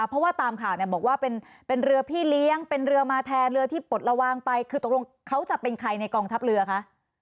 เพราะว่าตามข่าวเนี่ยบอกว่าเป็นเรือพี่เลี้ยงเป็นเรือมาแทนเรือที่ปลดระวังไปคือตกลงเขาจะเป็นใครในกองทัพเรือคะ